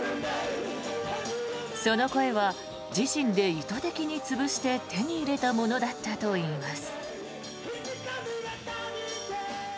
その声は自身で意図的に潰して手に入れたものだったといいます。